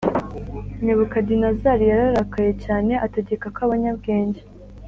Nebukadinezari yararakaye cyane ategeka ko abanyabwenge